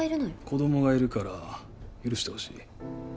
子供がいるから許してほしい。